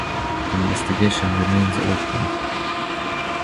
The investigation remains open.